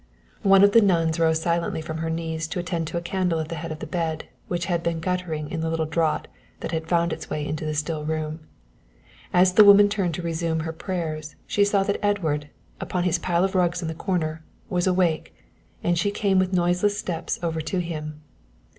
One of the nuns rose silently from her knees to attend to a candle at the head of the bed which had been guttering in a little draught that had found its way into the still room. As the woman turned to resume her prayers she saw that Edward, upon his pile of rugs in the corner, was awake, and she came with noiseless steps over to him.